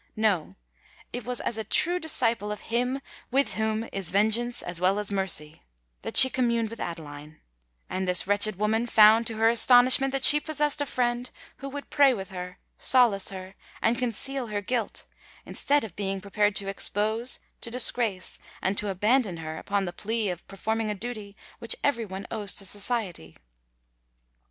No:—it was as a true disciple of Him with whom is vengeance as well as mercy, that she communed with Adeline: and this wretched woman found, to her astonishment, that she possessed a friend who would pray with her, solace her, and conceal her guilt, instead of a being prepared to expose, to disgrace, and to abandon her upon the plea of performing a duty which every one owes to society!